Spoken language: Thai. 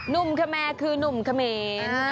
นุ่มขมันคือนุ่มขเมน